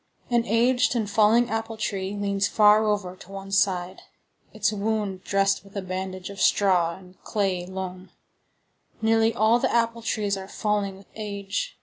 An aged and falling apple tree leans far over to one side, its wound dressed with a bandage of straw and of clayey loam. Nearly all the apple trees are falling with age.